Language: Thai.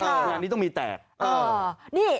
งานนี้ต้องมีแตก